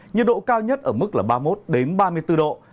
nhiệt độ cao nhất ở mức là ba mươi một ba mươi bốn độ